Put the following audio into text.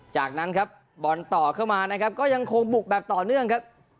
จากนั้นครับบอลต่อเข้ามานะครับก็ยังคงบุกแบบต่อเนื่องครับ